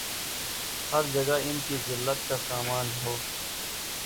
ہر جگہ ان کی زلت کا سامان ہو